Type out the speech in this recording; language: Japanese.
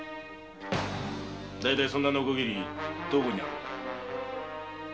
大体そんなノコギリどこにあるんだ？